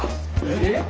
えっ！？